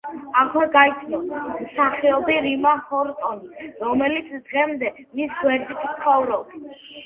აქვე გაიცნო მსახიობმა რიმა ჰორტონი, რომელიც დღემდე მის გვერდით ცხოვრობს.